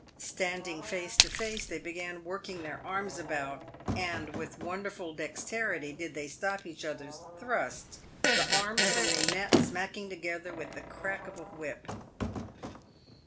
Standing face to face, they began working their arms about, and with wonder ful dexterity did they stop each other's thrust, the arms when they met smacking together with the crack of a whip.